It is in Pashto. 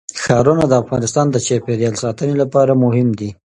ښارونه د افغانستان د چاپیریال ساتنې لپاره مهم دي.